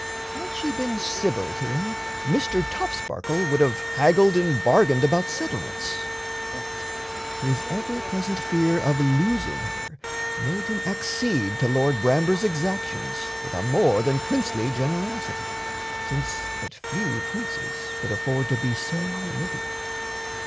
Had she been civil to him Mr. Topsparkle would have haggled and bargained about settlements; but his ever present fear of losing her made him accede to Lord Bramber's exactions with a more than princely generosity, since but few princes could afford to be so liberal.